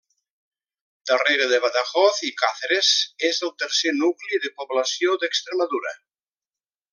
Darrere de Badajoz i Càceres, és el tercer nucli de població d'Extremadura.